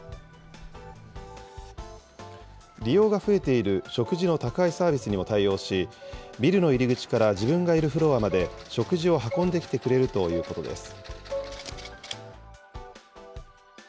利用が増えている食事の宅配サービスにも対応し、ビルの入り口から自分がいるフロアまで、食事を運んできてくれるということです。